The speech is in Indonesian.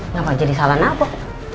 ngapain jadi salah nabok